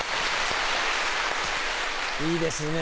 いいですね。